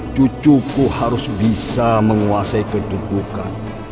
cucuku harus bisa menguasai kedudukan